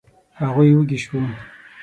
هغوی وږي شوو.